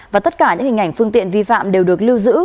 và tất cả những hình ảnh phương tiện vi phạm đều được lưu giữ